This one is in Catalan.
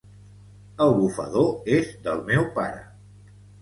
El bufador és del meu pare.